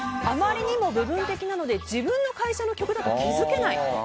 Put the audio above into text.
あまりにも部分的なので自分の会社の曲だと気づけないと。